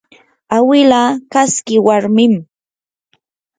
awila kaski warmim